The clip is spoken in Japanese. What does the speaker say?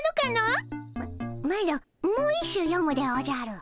マロもう一首よむでおじゃる。